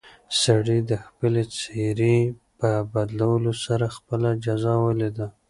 سړي د خپلې څېرې په بدلولو سره خپله جزا ولیده.